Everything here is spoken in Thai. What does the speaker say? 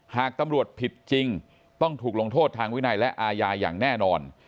หากตำรวจผิดจริงต้องถูกลงโทษทางวินัยและอาญาอย่างแน่นอน